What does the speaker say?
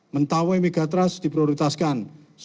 mentawai megatrust diprioritaskan